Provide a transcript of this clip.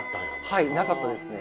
はいなかったですね。